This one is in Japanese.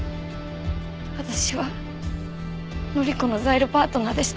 私は範子のザイルパートナーでしたから。